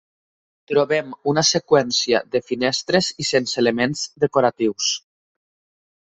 Trobem una seqüència de finestres i sense elements decoratius.